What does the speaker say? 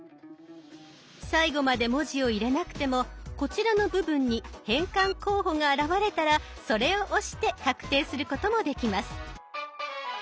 最後まで文字を入れなくてもこちらの部分に変換候補が現れたらそれを押して確定することもできます。